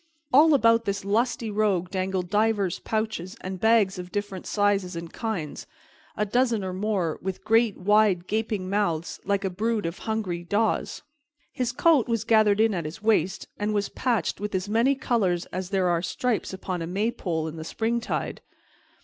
All about this lusty rogue dangled divers pouches and bags of different sizes and kinds, a dozen or more, with great, wide, gaping mouths, like a brood of hungry daws. His coat was gathered in at his waist, and was patched with as many colors as there are stripes upon a Maypole in the springtide.